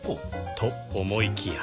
と思いきや